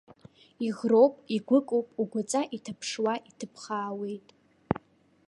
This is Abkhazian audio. Иӷроуп, игәыкуп, угәаҵа иҭаԥшуа иҭыԥхаауеит.